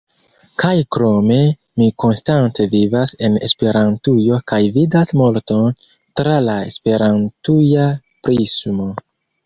Kaj krome, mi konstante vivas en Esperantujo kaj vidas multon tra la esperantuja prismo.